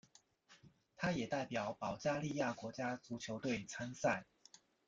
他也代表保加利亚国家足球队参赛。